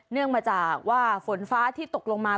เนื่องมาจากว่าฝนฟ้าที่ตกลงมา